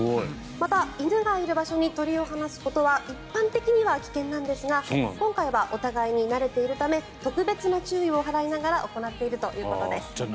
また犬がいる場所に鳥を放つことは一般的には危険ですが今回はお互いに慣れているため特別な注意を払いながら行っているということです。